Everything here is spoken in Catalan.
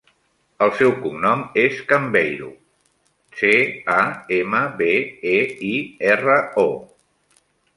El seu cognom és Cambeiro: ce, a, ema, be, e, i, erra, o.